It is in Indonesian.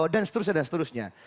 dan seterusnya dan seterusnya